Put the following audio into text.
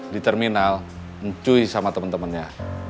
di terminal nguci sama temen temennya